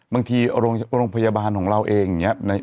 บางทีโรงพยาบาลของเราเองอย่างนี้